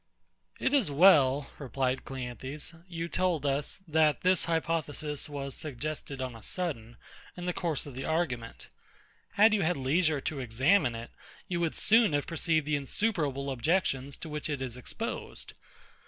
It is well, replied CLEANTHES, you told us, that this hypothesis was suggested on a sudden, in the course of the argument. Had you had leisure to examine it, you would soon have perceived the insuperable objections to which it is exposed.